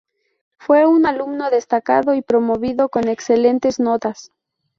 Fue un alumno destacado y promovido con excelentes notas.